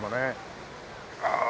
ああ